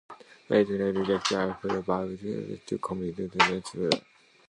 Fried rejects the effort by some critics to conflate his art-critical and art-historical writing.